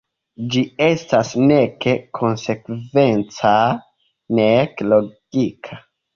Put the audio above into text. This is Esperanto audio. Ĝi estas nek konsekvenca nek logika.